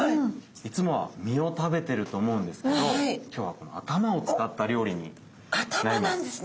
いつもは身を食べてると思うんですけど今日はこの頭を使った料理になります。